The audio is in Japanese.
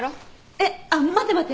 えっ？あっ待って待って。